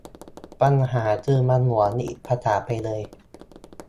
ปัญหาคือ มันเหมือนอีกภาษาไปเลย